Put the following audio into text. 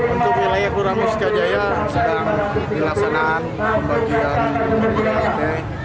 untuk milik kelurahan mustika jaya sedang dilaksanakan pembagian blt